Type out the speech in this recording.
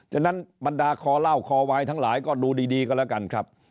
ฉะนั้นบรรดาคอเหล้าคอวายทั้งหลายก็ดูดีก็แล้วกันครับ